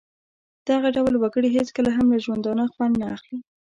دغه ډول وګړي هېڅکله هم له ژوندانه خوند نه اخلي.